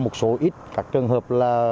khai báo y tế đo thân nhiệt